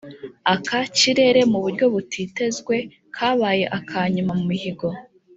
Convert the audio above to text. aka kirere mu buryo butitezwe kabaye akanyuma mu mihigo